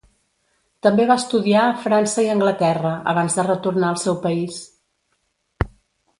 També va estudiar a França i Anglaterra, abans de retornar al seu país.